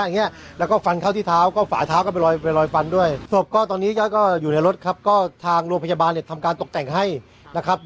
เนี่ยตรงนี้ก็จะอยู่ในรถครับก็ทางโรงพยาบาลเนี่ยทำการตกแต่งให้นะครับ